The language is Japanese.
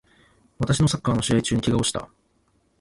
私はサッカーの試合中に怪我をした